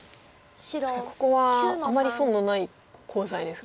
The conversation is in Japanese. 確かにここはあまり損のないコウ材ですか。